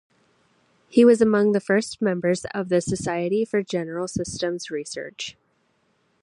He was among the first members of the Society for General Systems Research.